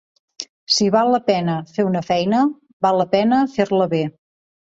Si val la pena fer una feina, val la pena fer-la bé.